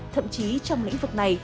thậm chí trong lĩnh vực này